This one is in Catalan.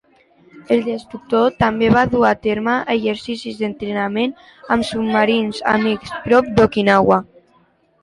El destructor també va dur a terme exercicis d'entrenament amb submarins amics prop d'Okinawa.